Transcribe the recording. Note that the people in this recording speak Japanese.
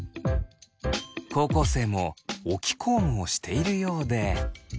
高校生も置きコームをしているようで。